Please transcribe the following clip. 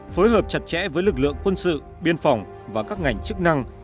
phối hợp chặt chẽ với lực lượng quân sự biên phòng và các ngành chức năng